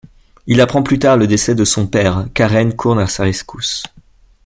Il apprend plus tard le décès de son père, Karen court à sa rescousse.